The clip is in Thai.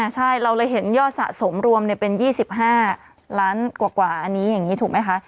ใช่เราเลยเห็นยอดสะสมรวมเป็น๒๕ล้านกว่าอันนี้อย่างนี้ถูกไหมคะ